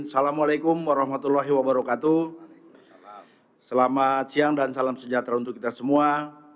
assalamualaikum warahmatullahi wabarakatuh selamat siang dan salam sejahtera untuk kita semua